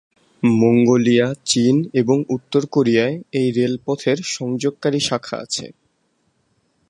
Mongolia, চীন এবং উত্তর কোরিয়ায় এই রেলপথের সংযোগকারী শাখা আছে।